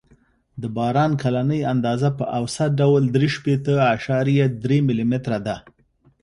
د باران کلنۍ اندازه په اوسط ډول درې شپېته اعشاریه درې ملي متره ده